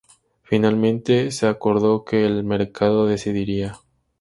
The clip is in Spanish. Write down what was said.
Finalmente se acordó que el mercado decidiera.